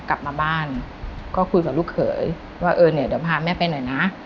กลับมาบ้านก็คุยกับลูกเขยว่าเออเนี่ยเดี๋ยวพาแม่ไปหน่อยนะ